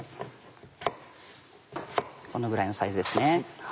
このぐらいのサイズですね。